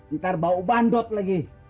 ntar bau bandut lagi